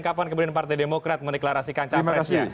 kapan kemudian partai demokrat mendeklarasikan capresnya